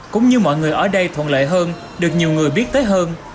cũng như mọi người ở đây thuận lợi hơn được nhiều người biết tới hơn